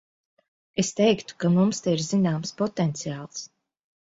Es teiktu, ka mums te ir zināms potenciāls.